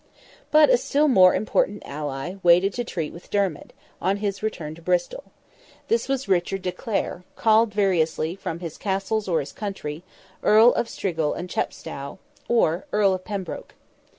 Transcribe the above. But a still more important ally waited to treat with Dermid, on his return to Bristol. This was Richard de Clare, called variously from his castles or his county, Earl of Strigul and Chepstow, or Earl of Pembroke.